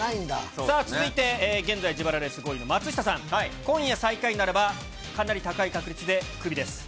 さあ、続いて現在自腹レース５位の松下さん、きょう最下位になれば、かなり高い確率でクビです。